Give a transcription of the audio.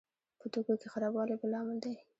په توکو کې خرابوالی بل لامل دی.